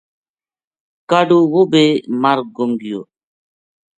کاہڈ وہ بے مر گُم گیو